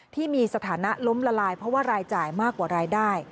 ที่มีสถานะล้มละลายเพราะว่ารายจ่ายมากกว่ารายได้